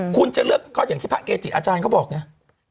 คุณจะเลือกก็แบบที่พระเกจียอาจารย์บอกไง